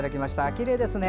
きれいですね。